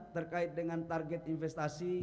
terkait dengan target investasi